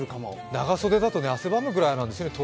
長袖だと汗ばむくらいなんですよね。